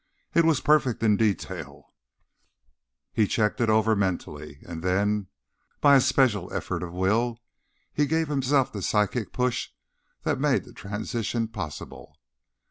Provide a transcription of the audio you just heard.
It was perfect in detail; he checked it over mentally and then, by a special effort of will, he gave himself the psychic push that made the transition possible.